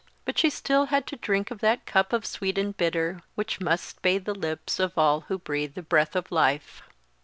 But she still had to drink of that cup of sweet and bitter, which must bathe the lips of all who breathe the breath of life.